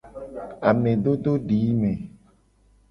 Amedododime.